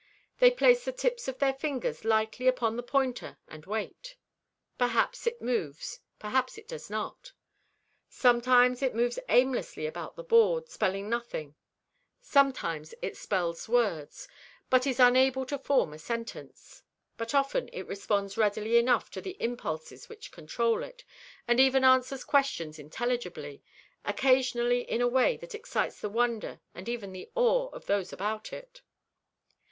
They place the tips of their fingers lightly upon the pointer and wait. Perhaps it moves; perhaps it does not. Sometimes it moves aimlessly about the board, spelling nothing; sometimes it spells words, but is unable to form a sentence; but often it responds readily enough to the impulses which control it, and even answers questions intelligibly, occasionally in a way that excites the wonder and even the awe of those about it.